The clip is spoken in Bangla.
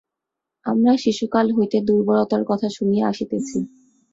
আমরা শিশুকাল হইতে দুর্বলতার কথা শুনিয়া আসিতেছি।